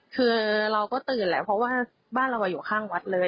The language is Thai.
คือเราก็ตื่นแหละเพราะว่าบ้านเราอยู่ข้างวัดเลย